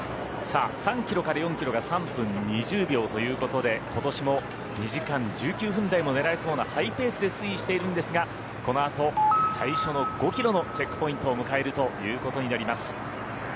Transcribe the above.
３キロから４キロが３分２０秒ということで今年も２時間１９分台も狙えそうなハイペースで推移しているんですがこのあと、最初の５キロのチェックポイントを迎えるということになります。